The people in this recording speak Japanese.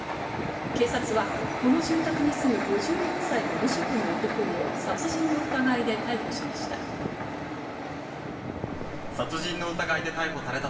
警察はこの住宅に住む５４歳の無職の男を殺人の疑いで逮捕しました。